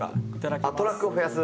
あっトラックを増やす？